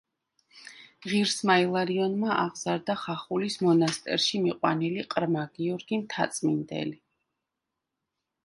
ღირსმა ილარიონმა აღზარდა ხახულის მონასტერში მიყვანილი ყრმა გიორგი მთაწმინდელი.